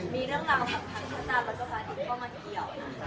มีเรื่องราวแผ่นขนาดแล้วก็ประดิษฐ์ก็มาเกี่ยวนะคะ